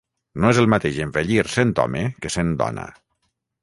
No és el mateix envellir sent home que sent dona.